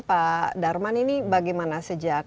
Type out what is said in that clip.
pak darman ini bagaimana sejak